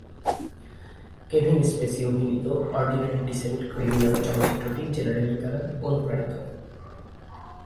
Kevin Spacey অভিনীত "ordinary decent criminal" চলচ্চিত্রটি জেনারেলের দ্বারা অনুপ্রাণিত।